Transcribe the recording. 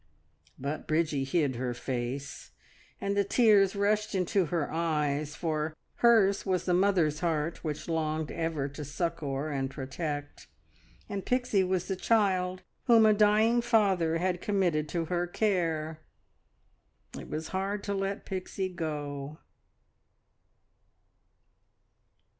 But Bridgie hid her face, and the tears rushed into her eyes, for hers was the mother's heart which longed ever to succour and protect, and Pixie was the child whom a dying father had committed to her care. It was hard to let Pixie go.